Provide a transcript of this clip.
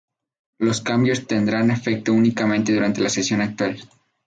Los cambios tendrán efecto únicamente durante la sesión actual.